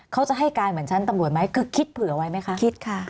เขาจะให้การเหมือนชั้นตำรวจไหมคือคิดเผื่อไว้ไหมคะคิดค่ะ